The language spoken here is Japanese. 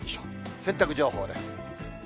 洗濯情報です。